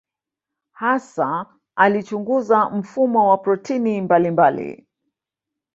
Hasa alichunguza mfumo wa protini mbalimbali.